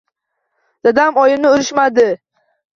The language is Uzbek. Dadam oyimni urishmadi.